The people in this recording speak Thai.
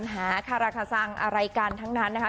หาคาราคาซังอะไรกันทั้งนั้นนะคะ